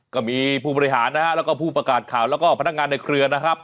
ก็มีผู้บริหารนะฮะแล้วก็ผู้ประกาศข่าวแล้วก็พนักงานในเครือนะครับ